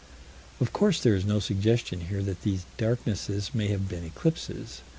Of course there is no suggestion here that these darknesses may have been eclipses.